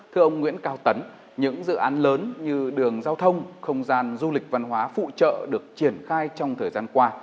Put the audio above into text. thưa ông nguyễn cao tấn những dự án lớn như đường giao thông không gian du lịch văn hóa phụ trợ được triển khai trong thời gian qua